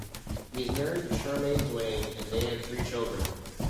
He is married to Charmaine Zwane and they have three children.